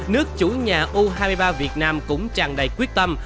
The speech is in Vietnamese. nước chủ nhà u hai mươi ba việt nam cũng chẳng đầy quyết tâm